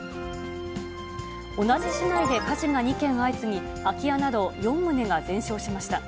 同じ市内で火事が２件相次ぎ、空き家など４棟が全焼しました。